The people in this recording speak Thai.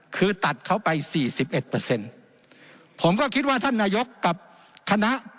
คือตัดเขาไป๔๑เปอร์เซ็นต์ผมก็คิดว่าท่านนายกกับคณะ